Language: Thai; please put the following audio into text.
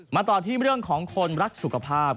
มาต่อที่เรื่องของคนรักสุขภาพ